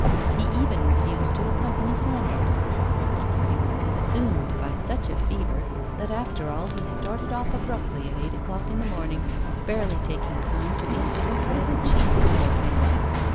He even refused to accompany Sandoz. But he was consumed by such a fever, that after all he started off abruptly at eight o'clock in the morning, barely taking time to eat a bit of bread and cheese beforehand.